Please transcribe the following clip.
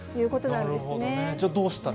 なるほどね。